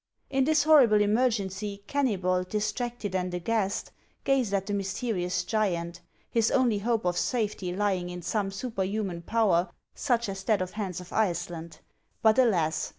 In this horrible emer o «/*/ gency, Keunybol, distracted and aghast, gazed at the mysterious giant, his only hope of safety lying in some superhuman power such as that of Hans of Iceland ; but, alas